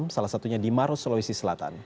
salah satunya di maros sulawesi selatan